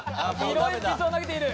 色鉛筆を投げている！